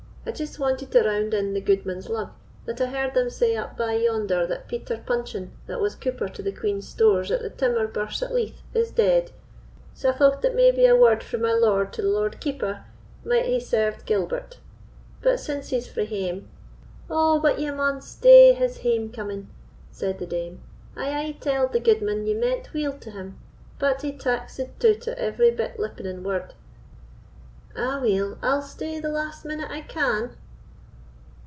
I just wanted to round in the gudeman's lug, that I heard them say up bye yonder that Peter Puncheon, that was cooper to the Queen's stores at the Timmer Burse at Leith, is dead; sae I though that maybe a word frae my lord to the Lord Keeper might hae served Gilbert; but since he's frae hame——" "O, but ye maun stay his hame coming," said the dame. "I aye telled the gudeman ye meant weel to him; but he taks the tout at every bit lippening word." "Aweel, I'll stay the last minute I can."